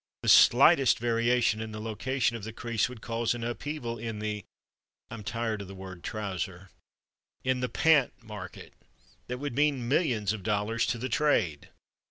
The slightest variation in the location of the crease would cause an upheaval in the (I'm tired of the word Trouser)—in the "Pant" market that would mean millions of dollars to the trade.